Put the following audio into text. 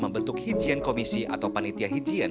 membentuk hijien komisi atau panitia hijien